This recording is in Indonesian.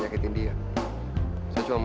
kok mau tanya ternyata